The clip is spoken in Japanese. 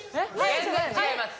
全然違います